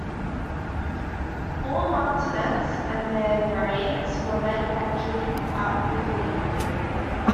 All Martinets and their variants were manufactured at Woodley.